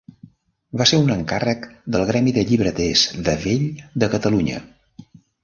Va ser un encàrrec del Gremi de Llibreters de Vell de Catalunya.